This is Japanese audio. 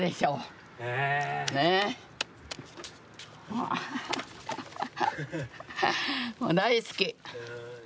もう大好き。